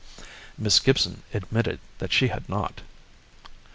Miss Gibson admitted that she had not.